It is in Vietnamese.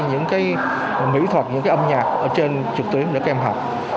những cái mỹ thuật những cái âm nhạc ở trên trực tuyến để các em học